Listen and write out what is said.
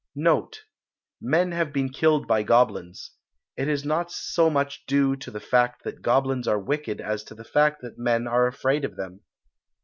Note. Men have been killed by goblins. This is not so much due to the fact that goblins are wicked as to the fact that men are afraid of them.